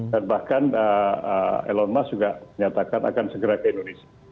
dan bahkan elon musk juga menyatakan akan segera ke indonesia